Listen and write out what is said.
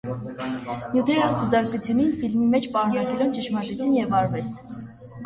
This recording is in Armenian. Նիւթերը խուզարկուեցան ֆիլմին մէջ պարունակելով ճշմարտութիւն եւ արուեստ։